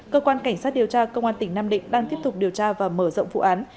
cơ quan cảnh sát điều tra công an tỉnh nam định đang tiếp tục điều tra và mở rộng vụ án